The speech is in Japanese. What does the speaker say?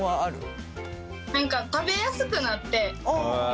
何か食べやすくなって。